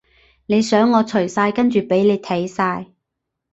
你想我除晒跟住畀你睇晒？